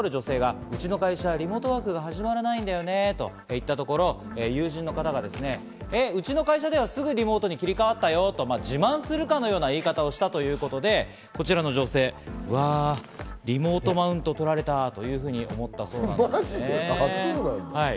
女性向けの調査によりますと、とある女性がうちの会社、リモートワークが始まらないんだよねと言ったところ、友人の方がうちの会社はすぐにリモートに切り替わったよと、自慢するかのような言い方をしたということで、こちらの女性はリモートマウント取られたと思ったそうなんです。